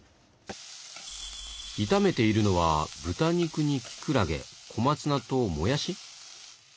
炒めているのは豚肉にきくらげ小松菜ともやし？